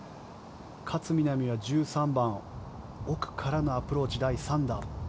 勝みなみは１３番奥からのアプローチ、第３打。